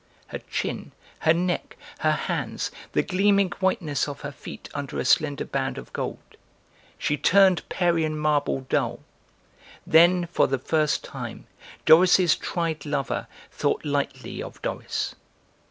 Her chin, her neck, her hands, the gleaming whiteness of her feet under a slender band of gold; she turned Parian marble dull! Then, for the first time, Doris' tried lover thought lightly of Doris!